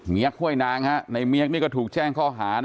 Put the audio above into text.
เมี๊ยกข้วยนางในเมี๊ยกนี่เขาถูกแช้งเขาหานะครับ